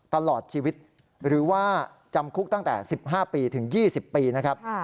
ตลอดชีวิตหรือว่าจำคุกตั้งแต่๑๕ปีถึง๒๐ปีนะครับ